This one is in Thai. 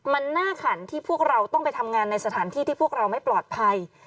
มันน่าขันที่พวกเราต้องไปทำงานในสถานที่ที่พวกเราไม่ปลอดภัย